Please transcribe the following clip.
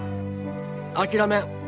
諦めん。